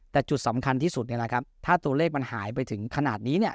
แต่จุดสำคัญที่สุดเนี่ยนะครับถ้าตัวเลขมันหายไปถึงขนาดนี้เนี่ย